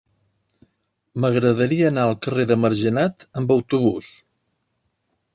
M'agradaria anar al carrer de Margenat amb autobús.